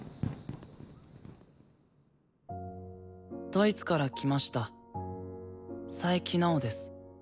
ドイツから来ました佐伯直です。